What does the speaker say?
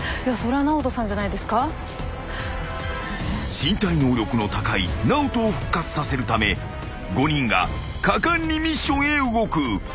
［身体能力の高いＮＡＯＴＯを復活させるため５人が果敢にミッションへ動く］